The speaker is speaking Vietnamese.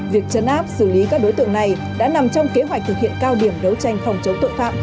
việc chấn áp xử lý các đối tượng này đã nằm trong kế hoạch thực hiện cao điểm đấu tranh phòng chống tội phạm